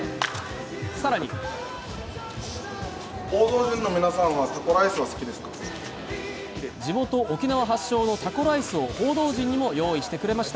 更に地元・沖縄発祥のタコライスを報道陣にも用意してくれました。